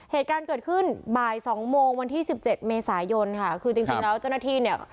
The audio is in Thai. เหตุการณ์เกิดขึ้นบ่ายสองโมงวันที่สิบเจ็ดเมษายนค่ะคือจริงจริงแล้วเจ้าหน้าที่เนี่ย